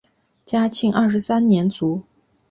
嘉庆二十三年卒。